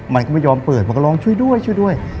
มันก็ไม่ยอมเปิดมันก็ร้องช่วยด้วยช่วยด้วย